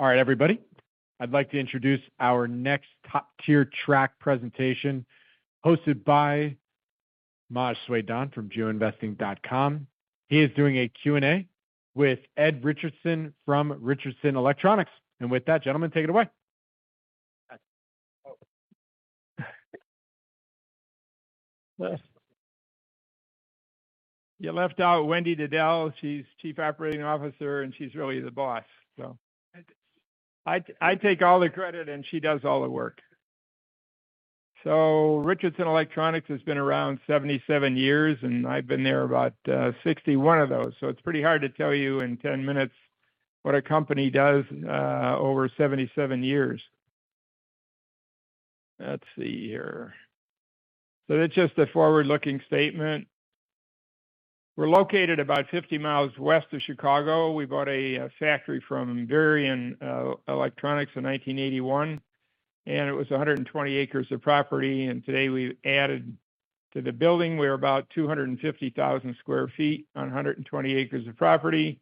All right, everybody, I'd like to introduce our next top-tier track presentation, hosted by Maj Soueidan from GeoInvesting.com. He is doing a Q&A with Ed Richardson from Richardson Electronics. And with that, gentlemen, take it away. You left out Wendy Diddell. She's Chief Operating Officer, and she's really the boss. So I, I take all the credit, and she does all the work. So Richardson Electronics has been around 77 years, and I've been there about, 61 of those, so it's pretty hard to tell you in 10 minutes what a company does, over 77 years. Let's see here. So it's just a forward-looking statement. We're located about 50 miles west of Chicago. We bought a, factory from Dukane Electronics in 1981, and it was 120 acres of property, and today we've added to the building. We're about 250,000 sq ft on 120 acres of property.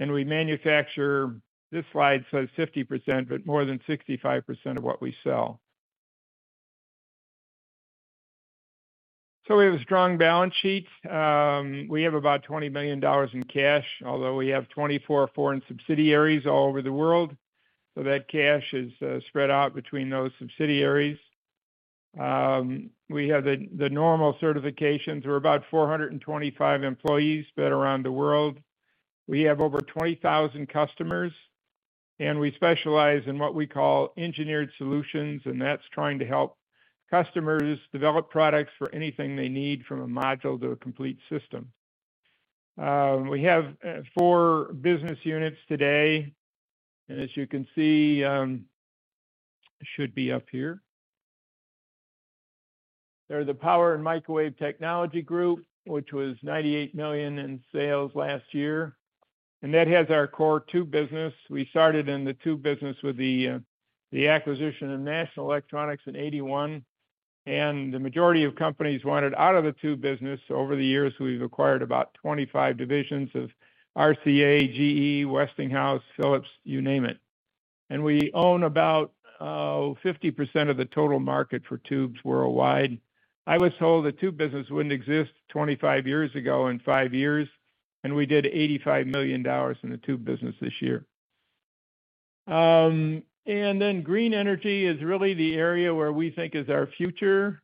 And we manufacture, this slide says 50%, but more than 65% of what we sell. So we have a strong balance sheet. We have about $20 million in cash, although we have 24 foreign subsidiaries all over the world. So that cash is spread out between those subsidiaries. We have the normal certifications. We're about 425 employees spread around the world. We have over 20,000 customers, and we specialize in what we call engineered solutions, and that's trying to help customers develop products for anything they need, from a module to a complete system. We have four business units today, and as you can see, it should be up here. There's the Power and Microwave Technology Group, which was $98 million in sales last year, and that has our core tube business. We started in the tube business with the acquisition of National Electronics in 1981, and the majority of companies wanted out of the tube business. Over the years, we've acquired about 25 divisions of RCA, GE, Westinghouse, Philips, you name it. We own about 50% of the total market for tubes worldwide. I was told the tube business wouldn't exist 25 years ago in 5 years, and we did $85 million in the tube business this year. Green energy is really the area where we think is our future.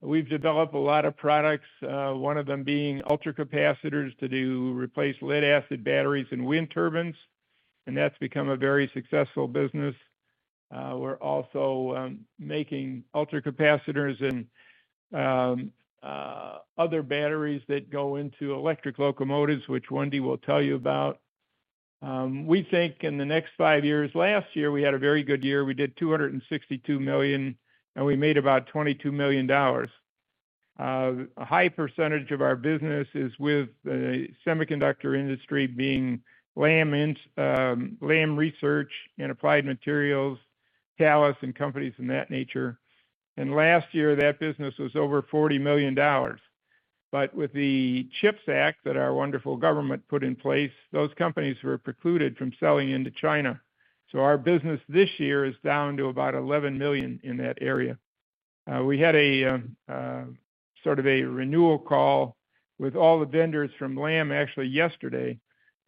We've developed a lot of products, one of them being ultracapacitors, to do replace lead-acid batteries and wind turbines, and that's become a very successful business. We're also making ultracapacitors and other batteries that go into electric locomotives, which Wendy will tell you about. We think in the next 5 years. Last year, we had a very good year. We did $262 million, and we made about $22 million. A high percentage of our business is with the semiconductor industry being Lam Research and Applied Materials, Thales, and companies of that nature. Last year, that business was over $40 million. But with the CHIPS Act that our wonderful government put in place, those companies were precluded from selling into China. So our business this year is down to about $11 million in that area. We had a sort of a renewal call with all the vendors from Lam, actually yesterday,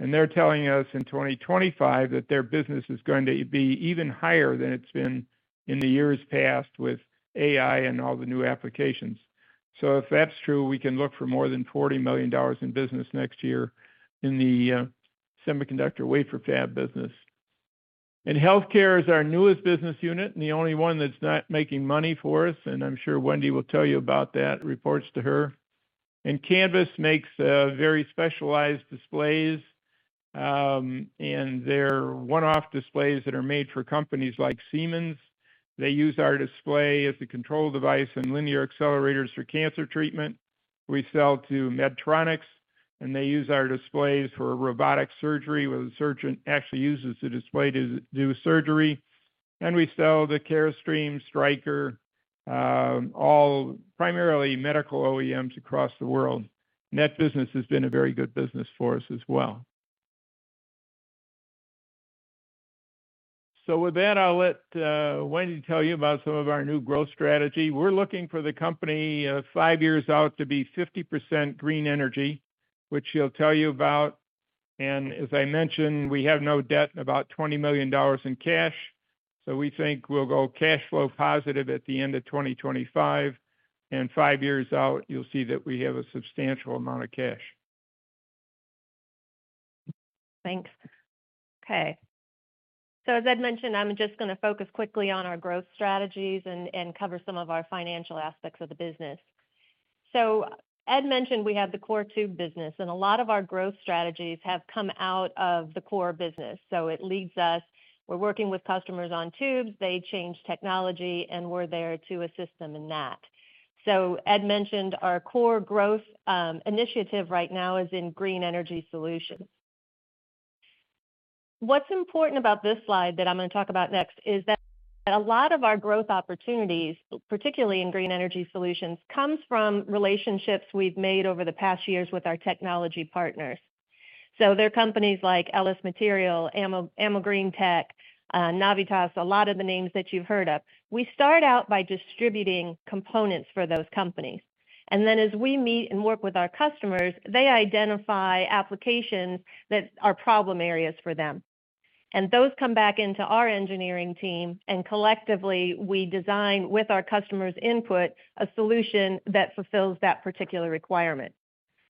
and they're telling us in 2025 that their business is going to be even higher than it's been in the years past with AI and all the new applications. So if that's true, we can look for more than $40 million in business next year in the semiconductor wafer fab business. Healthcare is our newest business unit, and the only one that's not making money for us, and I'm sure Wendy will tell you about that, reports to her. Canvys makes very specialized displays, and they're one-off displays that are made for companies like Siemens. They use our display as a control device and linear accelerators for cancer treatment. We sell to Medtronic, and they use our displays for robotic surgery, where the surgeon actually uses the display to do surgery. We sell to Carestream, Stryker, all primarily medical OEMs across the world. That business has been a very good business for us as well. So with that, I'll let Wendy tell you about some of our new growth strategy. We're looking for the company five years out to be 50% green energy, which she'll tell you about. As I mentioned, we have no debt, about $20 million in cash, so we think we'll go cash flow positive at the end of 2025. And five years out, you'll see that we have a substantial amount of cash. Thanks. Okay. So as Ed mentioned, I'm just gonna focus quickly on our growth strategies and cover some of our financial aspects of the business. So Ed mentioned we have the core tube business, and a lot of our growth strategies have come out of the core business. So it leads us, we're working with customers on tubes, they change technology, and we're there to assist them in that. So Ed mentioned our core growth initiative right now is in green energy solutions. What's important about this slide that I'm gonna talk about next is that. And a lot of our growth opportunities, particularly in green energy solutions, comes from relationships we've made over the past years with our technology partners. So they're companies like LS Materials, Amogreentech, Navitas, a lot of the names that you've heard of. We start out by distributing components for those companies, and then as we meet and work with our customers, they identify applications that are problem areas for them. Those come back into our engineering team, and collectively, we design, with our customers' input, a solution that fulfills that particular requirement.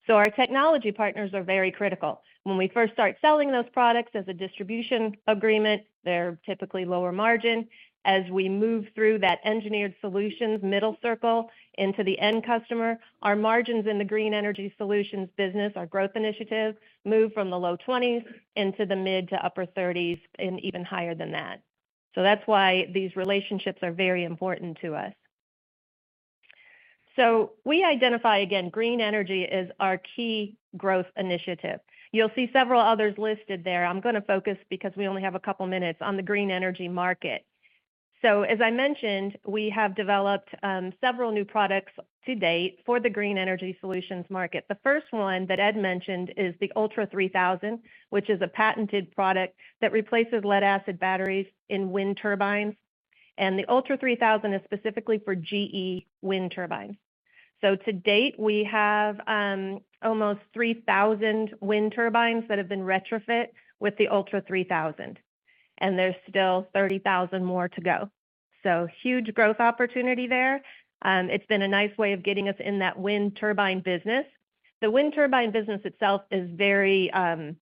Our technology partners are very critical. When we first start selling those products as a distribution agreement, they're typically lower margin. As we move through that engineered solutions middle circle into the end customer, our margins in the green energy solutions business, our growth initiatives, move from the low 20s into the mid- to upper 30s and even higher than that. That's why these relationships are very important to us. We identify, again, green energy as our key growth initiative. You'll see several others listed there. I'm gonna focus, because we only have a couple minutes, on the green energy market. So as I mentioned, we have developed several new products to date for the green energy solutions market. The first one that Ed mentioned is the ULTRA3000, which is a patented product that replaces lead-acid batteries in wind turbines, and the ULTRA3000 is specifically for GE wind turbines. So to date, we have almost 3,000 wind turbines that have been retrofit with the ULTRA3000, and there's still 30,000 more to go. So huge growth opportunity there. It's been a nice way of getting us in that wind turbine business. The wind turbine business itself is very, as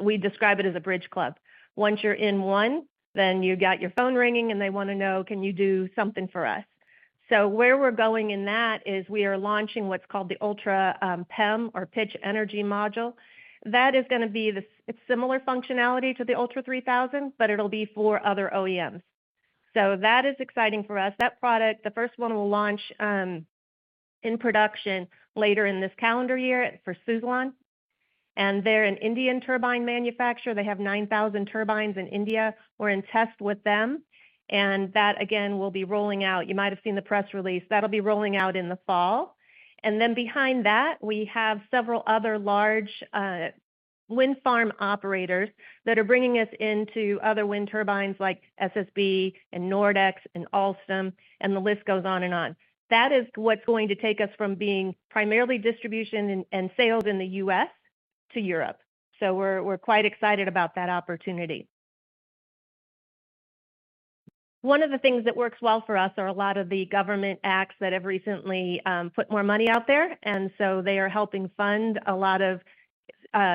we describe it, as a bridge club. Once you're in one, then you got your phone ringing, and they wanna know, "Can you do something for us?" So where we're going in that is we are launching what's called the ULTRA PEM or Pitch Energy Module. That is gonna be the, it's similar functionality to the ULTRA3000, but it'll be for other OEMs. That is exciting for us. That product, the first one, will launch in production later in this calendar year for Suzlon, and they're an Indian turbine manufacturer. They have 9,000 turbines in India. We're in test with them, and that, again, will be rolling out. You might have seen the press release. That'll be rolling out in the fall. And then behind that, we have several other large, wind farm operators that are bringing us into other wind turbines like SSB and Nordex and Alstom, and the list goes on and on. That is what's going to take us from being primarily distribution and sales in the U.S. to Europe. So we're quite excited about that opportunity. One of the things that works well for us are a lot of the government acts that have recently, put more money out there, and so they are helping fund a lot of,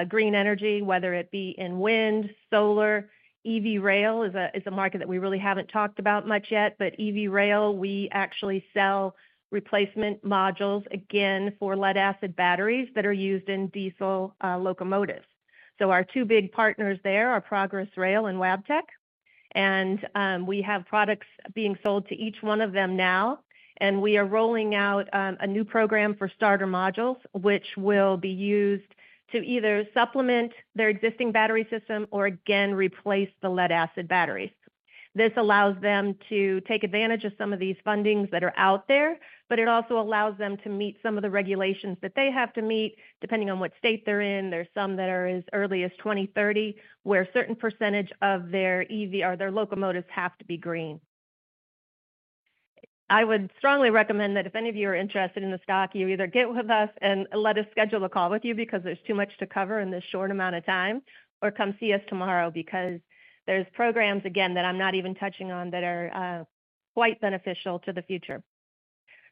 green energy, whether it be in wind, solar. EV rail is a market that we really haven't talked about much yet, but EV rail, we actually sell replacement modules, again, for lead-acid batteries that are used in diesel, locomotives. So our two big partners there are Progress Rail and Wabtec, and, we have products being sold to each one of them now, and we are rolling out, a new program for starter modules, which will be used to either supplement their existing battery system or again, replace the lead-acid batteries. This allows them to take advantage of some of these fundings that are out there, but it also allows them to meet some of the regulations that they have to meet, depending on what state they're in. There are some that are as early as 2030, where a certain percentage of their EV or their locomotives have to be green. I would strongly recommend that if any of you are interested in the stock, you either get with us and let us schedule a call with you, because there's too much to cover in this short amount of time, or come see us tomorrow, because there's programs, again, that I'm not even touching on that are quite beneficial to the future.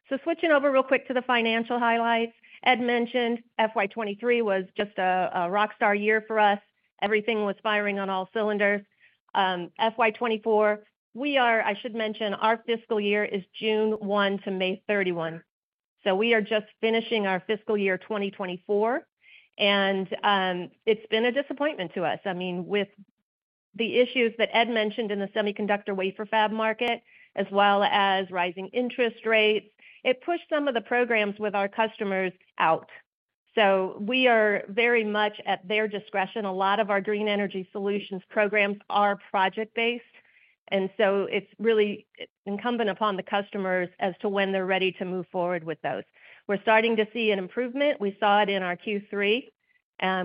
So switching over real quick to the financial highlights. Ed mentioned FY 2023 was just a rock star year for us. Everything was firing on all cylinders. FY 2024, we are. I should mention, our fiscal year is June 1 to May 31. So we are just finishing our fiscal year 2024, and it's been a disappointment to us. I mean, with the issues that Ed mentioned in the semiconductor wafer fab market, as well as rising interest rates, it pushed some of the programs with our customers out. So we are very much at their discretion. A lot of our green energy solutions programs are project-based, and so it's really incumbent upon the customers as to when they're ready to move forward with those. We're starting to see an improvement. We saw it in our Q3,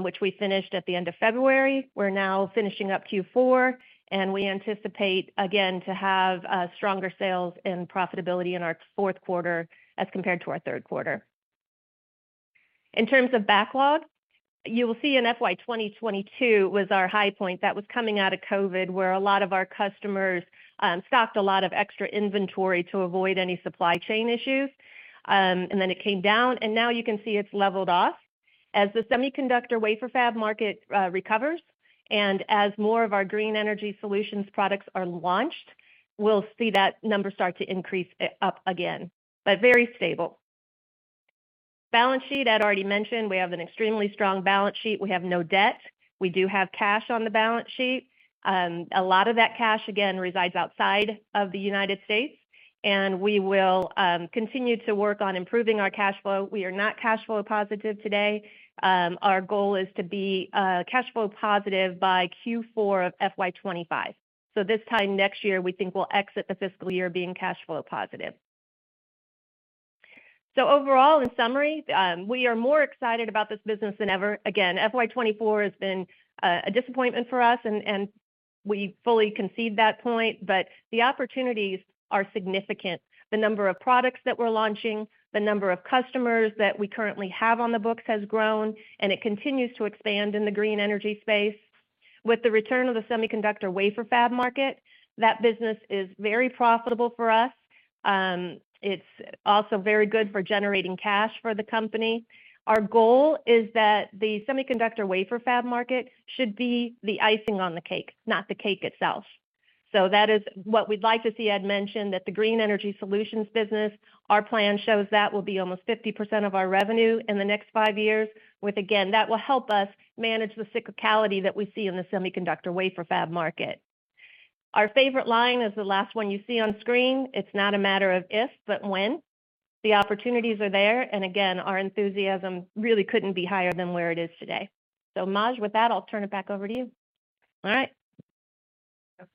which we finished at the end of February. We're now finishing up Q4, and we anticipate again to have stronger sales and profitability in our fourth quarter as compared to our third quarter. In terms of backlog, you will see in FY 2022 was our high point. That was coming out of COVID, where a lot of our customers stocked a lot of extra inventory to avoid any supply chain issues. And then it came down, and now you can see it's leveled off. As the semiconductor wafer fab market recovers and as more of our green energy solutions products are launched, we'll see that number start to increase up again, but very stable. Balance sheet, Ed already mentioned, we have an extremely strong balance sheet. We have no debt. We do have cash on the balance sheet. A lot of that cash again resides outside of the United States, and we will continue to work on improving our cash flow. We are not cash flow positive today. Our goal is to be cash flow positive by Q4 of FY 2025. So this time next year, we think we'll exit the fiscal year being cash flow positive. So overall, in summary, we are more excited about this business than ever. Again, FY 2024 has been a disappointment for us, and we fully concede that point, but the opportunities are significant. The number of products that we're launching, the number of customers that we currently have on the books, has grown, and it continues to expand in the green energy space. With the return of the semiconductor wafer fab market, that business is very profitable for us. It's also very good for generating cash for the company. Our goal is that the semiconductor wafer fab market should be the icing on the cake, not the cake itself. So that is what we'd like to see. I'd mentioned that the green energy solutions business, our plan shows that will be almost 50% of our revenue in the next five years, with, again, that will help us manage the cyclicality that we see in the semiconductor wafer fab market. Our favorite line is the last one you see on screen: It's not a matter of if, but when. The opportunities are there, and again, our enthusiasm really couldn't be higher than where it is today. So Maj, with that, I'll turn it back over to you. All right. Hi,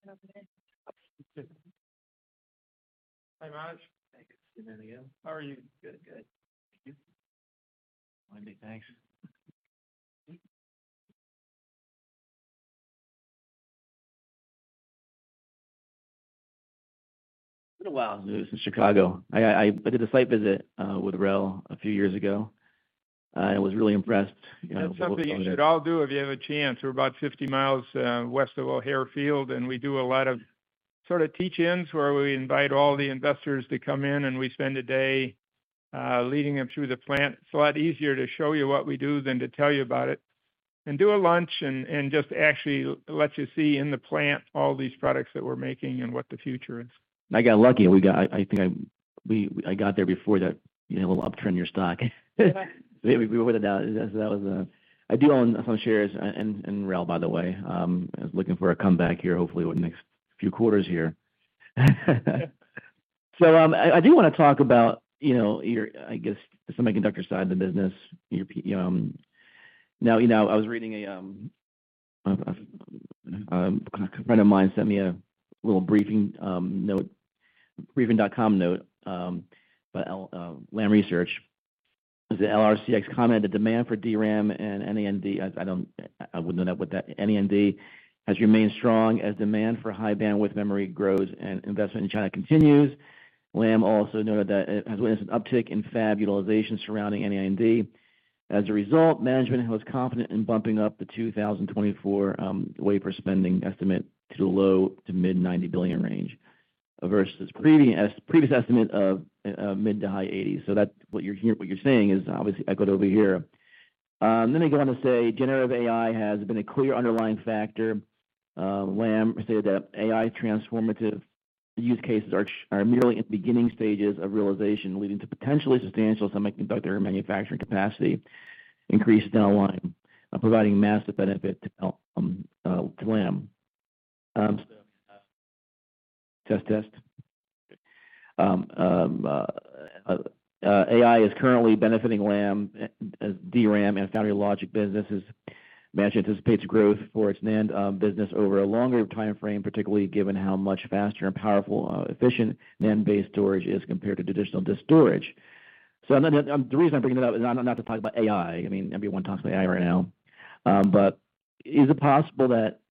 Maj. Hi, good afternoon. How are you? Good, good. Thank you. Fine, thanks. It's been a while since Chicago. I did a site visit with RELL a few years ago, and was really impressed. That's something you should all do if you have a chance. We're about 50 miles west of O'Hare Field, and we do a lot of sort of teach-ins, where we invite all the investors to come in, and we spend a day leading them through the plant. It's a lot easier to show you what we do than to tell you about it. And do a lunch and just actually lets you see in the plant all these products that we're making and what the future is. I got lucky. I think I got there before that, you know, little upturn in your stock. So that was... I do own some shares in RELL, by the way. I was looking for a comeback here, hopefully within the next few quarters here. So I do wanna talk about, you know, your, I guess, semiconductor side of the business. Now, you know, I was reading a little briefing note, Briefing.com note by Lam Research. The LRCX commented, "The demand for DRAM and NAND," I don't—I wouldn't know what that, "NAND has remained strong as demand for high-bandwidth memory grows and investment in China continues. Lam also noted that it has witnessed an uptick in fab utilization surrounding NAND. As a result, management was confident in bumping up the 2024 wafer spending estimate to the low- to mid-$90 billion range versus previous estimate of mid- to high $80s." So that's what you're saying is obviously echoed over here. Let me go on to say, generative AI has been a clear underlying factor. Lam said that AI transformative use cases are merely at the beginning stages of realization, leading to potentially substantial semiconductor manufacturing capacity increased down the line, providing massive benefit to Lam. AI is currently benefiting Lam, DRAM and Foundry Logic businesses. Management anticipates growth for its NAND business over a longer timeframe, particularly given how much faster and powerful efficient NAND-based storage is compared to traditional disk storage. So the reason I'm bringing it up is not, not to talk about AI. I mean, everyone talks about AI right now. But is it possible that,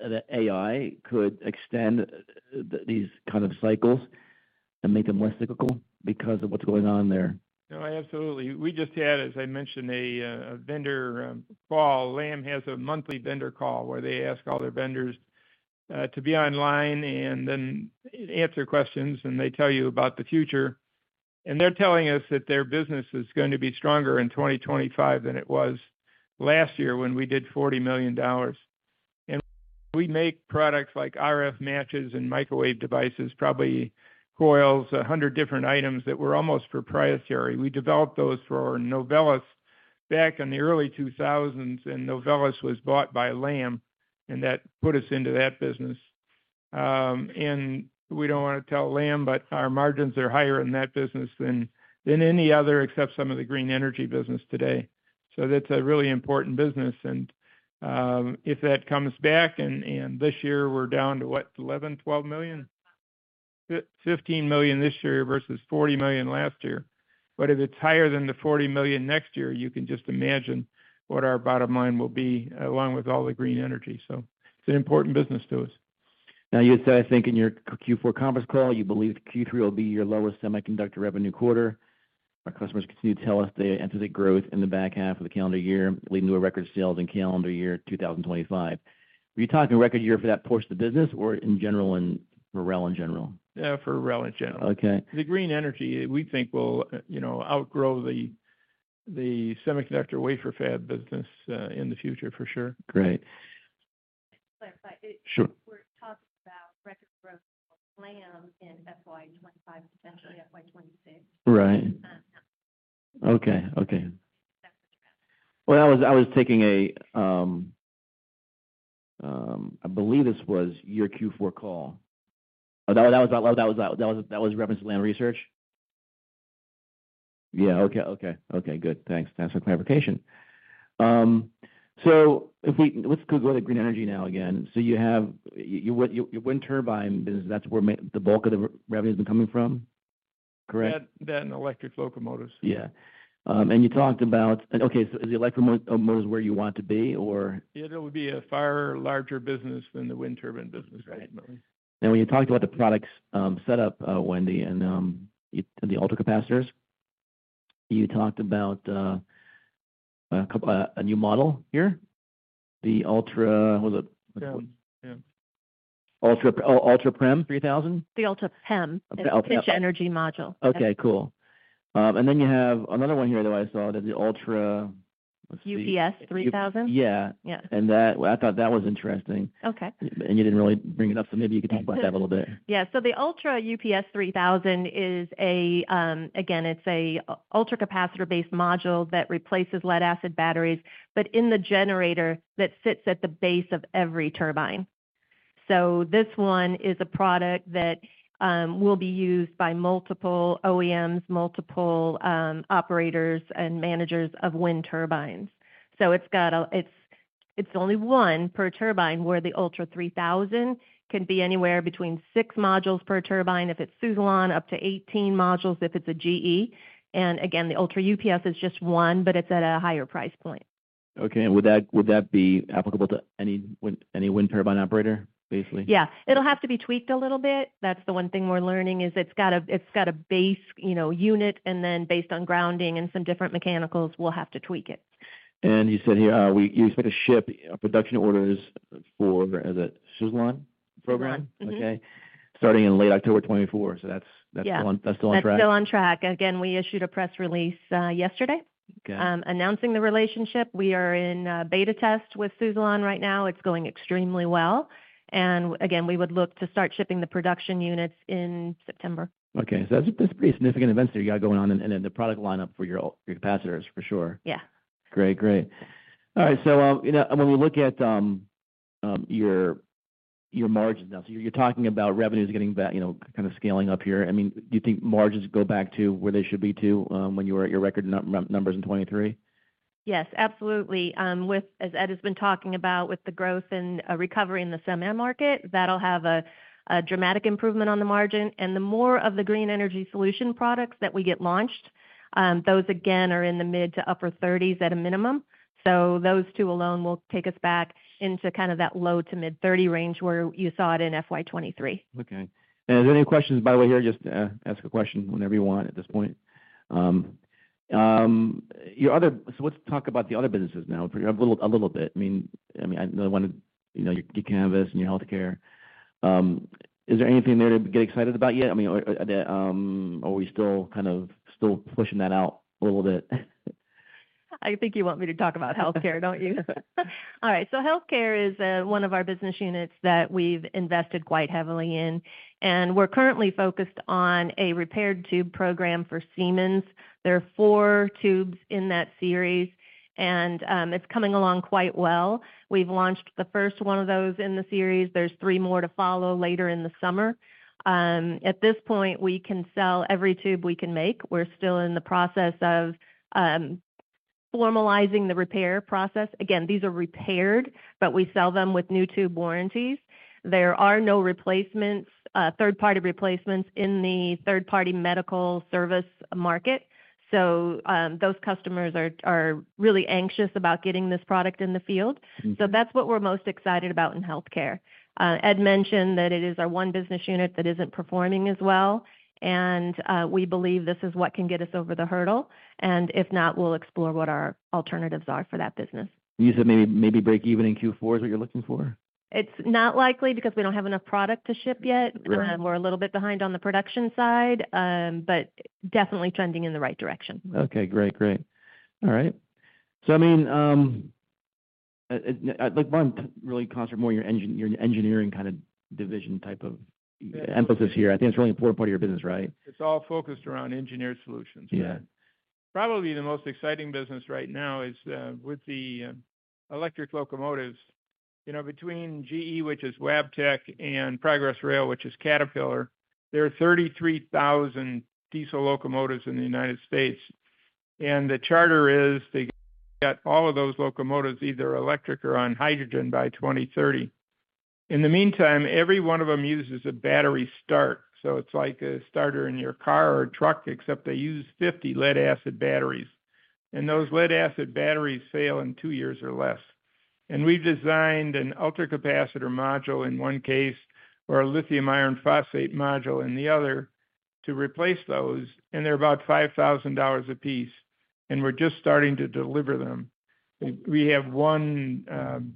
that AI could extend these kind of cycles and make them less cyclical because of what's going on there? No, absolutely. We just had, as I mentioned, a vendor call. Lam has a monthly vendor call, where they ask all their vendors to be online and then answer questions, and they tell you about the future. And they're telling us that their business is going to be stronger in 2025 than it was last year when we did $40 million. And we make products like RF matches and microwave devices, probably coils, 100 different items that were almost proprietary. We developed those for Novellus back in the early 2000s, and Novellus was bought by Lam, and that put us into that business. And we don't want to tell Lam, but our margins are higher in that business than any other, except some of the green energy business today. So that's a really important business, and if that comes back and this year we're down to what? $11-$12 million? $15 million this year versus $40 million last year. But if it's higher than the $40 million next year, you can just imagine what our bottom line will be, along with all the green energy. So it's an important business to us. Now, you said, I think in your Q4 conference call, you believe Q3 will be your lowest semiconductor revenue quarter. Our customers continue to tell us they anticipate growth in the back half of the calendar year, leading to a record sales in calendar year 2025. Were you talking record year for that portion of the business or in general, in for RELL in general? Yeah, for RELL in general. Okay. The green energy, we think will, you know, outgrow the semiconductor wafer fab business, in the future, for sure. Great. Clarify. Sure. We're talking about record growth for Lam in FY 2025, potentially FY 2026. Right. Okay. Okay. That's what you have. Well, I was taking a. I believe this was your Q4 call. Oh, that was reference to Lam Research? Yeah. Okay. Okay. Okay, good. Thanks. Thanks for the clarification. So if we, let's go to green energy now again. So you have your wind turbine business, that's where the bulk of the revenue has been coming from, correct? That and electric locomotives. Yeah. And you talked about. Okay, so is the electric locomotive where you want to be or? It'll be a far larger business than the wind turbine business, right? When you talked about the products, set up, Wendy, and the ultracapacitors, you talked about a new model here, the Ultra... What is it? Yeah. Yeah. ULTRA, ULTRA PEM 3000? The ULTRA PEM. The ULTRA PEM. Pitch Energy Module. Okay, cool. And then you have another one here that I saw, the Ultra, let's see. ULTRA UPS 3000. Yeah. Yeah. And that, I thought, was interesting. Okay. You didn't really bring it up, so maybe you could talk about that a little bit. Yeah, so the ULTRA UPS 3000 is a ultracapacitor-based module that replaces lead-acid batteries, but in the generator that sits at the base of every turbine. So this one is a product that will be used by multiple OEMs, multiple operators and managers of wind turbines. So it's only one per turbine, where the ULTRA 3000 can be anywhere between 6 modules per turbine, if it's Suzlon, up to 18 modules, if it's a GE. And again, the ULTRA UPS is just one, but it's at a higher price point. Okay. And would that be applicable to any wind turbine operator, basically? Yeah. It'll have to be tweaked a little bit. That's the one thing we're learning, is it's got a base, you know, unit, and then based on grounding and some different mechanicals, we'll have to tweak it. You said here, you expect to ship production orders for the, is it Suzlon program? Mm-hmm. Okay. Starting in late October 2024. So that's, Yeah. Still on track? That's still on track. Again, we issued a press release, yesterday- Okay announcing the relationship. We are in a beta test with Suzlon right now. It's going extremely well, and again, we would look to start shipping the production units in September. Okay. So that's pretty significant events that you got going on, and then the product lineup for your, your capacitors, for sure. Yeah. Great, great. All right. So, you know, when we look at your margins now, so you're talking about revenues getting back, you know, kind of scaling up here. I mean, do you think margins go back to where they should be to when you were at your record numbers in 2023? Yes, absolutely. With, as Ed has been talking about, with the growth and recovery in the semi market, that'll have a dramatic improvement on the margin. And the more of the green energy solution products that we get launched, those, again, are in the mid- to upper 30s at a minimum. So those two alone will take us back into kind of that low- to mid-30 range where you saw it in FY 2023. Okay. And any questions, by the way here, just ask a question whenever you want at this point. So let's talk about the other businesses now, a little, a little bit. I mean, I really wanna, you know, get Canvys and your healthcare. Is there anything there to get excited about yet? I mean, are we still kind of still pushing that out a little bit? I think you want me to talk about healthcare, don't you? All right. So healthcare is one of our business units that we've invested quite heavily in, and we're currently focused on a repaired tube program for Siemens. There are four tubes in that series, and it's coming along quite well. We've launched the first one of those in the series. There's three more to follow later in the summer. At this point, we can sell every tube we can make. We're still in the process of formalizing the repair process. Again, these are repaired, but we sell them with new tube warranties. There are no replacements, third-party replacements in the third-party medical service market. So those customers are really anxious about getting this product in the field. So that's what we're most excited about in healthcare. Ed mentioned that it is our one business unit that isn't performing as well, and we believe this is what can get us over the hurdle, and if not, we'll explore what our alternatives are for that business. You said maybe, maybe break even in Q4 is what you're looking for? It's not likely because we don't have enough product to ship yet. Right. We're a little bit behind on the production side, but definitely trending in the right direction. Okay, great, great. All right. So, I mean, like, one really concentrate more on your engineering kind of division type of emphasis here. I think it's a really important part of your business, right? It's all focused around engineered solutions. Yeah. Probably the most exciting business right now is with the electric locomotives. You know, between GE, which is Wabtec, and Progress Rail, which is Caterpillar, there are 33,000 diesel locomotives in the United States, and the charter is to get all of those locomotives, either electric or on hydrogen, by 2030. In the meantime, every one of them uses a battery start, so it's like a starter in your car or truck, except they use 50 lead-acid batteries, and those lead-acid batteries fail in two years or less. We've designed an ultracapacitor module in one case, or a lithium iron phosphate module in the other, to replace those, and they're about $5,000 a piece, and we're just starting to deliver them. We have one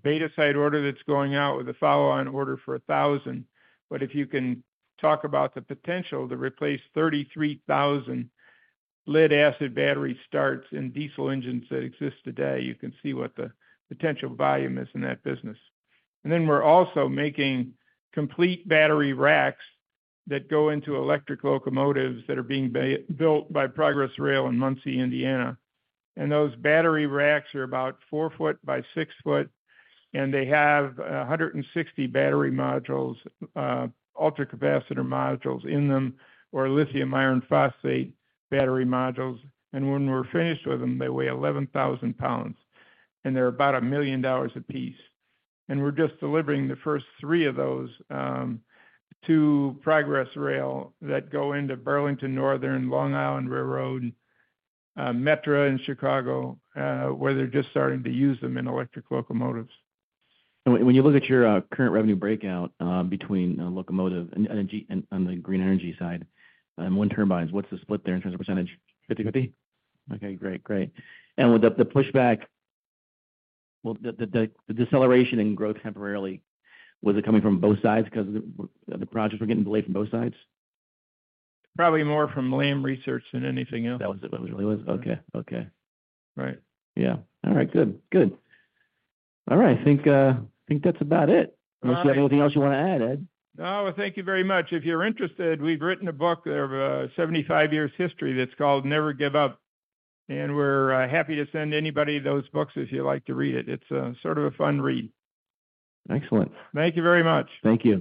beta site order that's going out with a follow-on order for 1,000. But if you can talk about the potential to replace 33,000 lead-acid battery starts in diesel engines that exist today, you can see what the potential volume is in that business. And then, we're also making complete battery racks that go into electric locomotives that are being built by Progress Rail in Muncie, Indiana. And those battery racks are about 4 ft by 6 ft, and they have 160 battery modules, ultracapacitor modules in them, or lithium iron phosphate battery modules, and when we're finished with them, they weigh 11,000 lbs, and they're about $1 million a piece. And we're just delivering the first 3 of those to Progress Rail that go into Burlington Northern, Long Island Rail Road, Metra in Chicago, where they're just starting to use them in electric locomotives. When you look at your current revenue breakout between locomotive and energy, and the green energy side, and wind turbines, what's the split there in terms of percentage? Fifty-fifty. Okay, great. Great. And with the pushback, well, the deceleration in growth temporarily, was it coming from both sides because the projects were getting delayed from both sides? Probably more from Lam Research than anything else. That was it, that was. Okay. Okay. Right. Yeah. All right. Good. Good. All right. I think, I think that's about it. Unless you have anything else you want to add, Ed? No, thank you very much. If you're interested, we've written a book of 75 years history that's called Never Give Up, and we're happy to send anybody those books if you'd like to read it. It's sort of a fun read. Excellent. Thank you very much. Thank you.